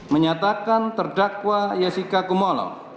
menyatakan terdakwa jessica kumolo